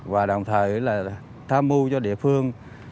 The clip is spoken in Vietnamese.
và đồng thời là tham mưu cho địa phương